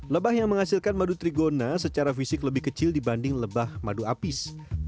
lebah yang menghasilkan madu trigona secara fisik lebih kecil dibanding lebah madu apis